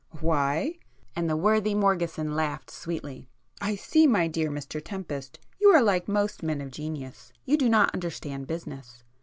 "Why?" and the worthy Morgeson laughed sweetly—"I see, my dear Mr Tempest, you are like most men of genius—you do not understand business.